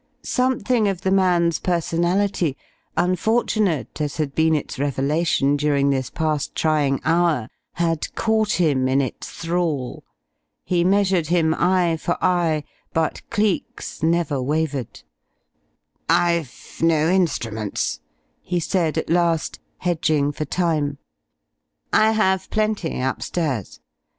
Something of the man's personality, unfortunate as had been its revelation during this past trying hour, had caught him in its thrall. He measured him, eye for eye, but Cleek's never wavered. "I've no instruments," he said at last, hedging for time. "I have plenty upstairs.